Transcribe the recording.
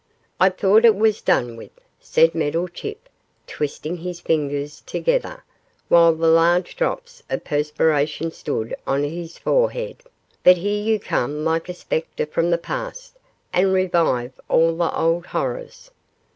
'I thought it was done with,' said Meddlechip, twisting his fingers together, while the large drops of perspiration stood on his forehead, 'but here you come like a spectre from the past and revive all the old horrors.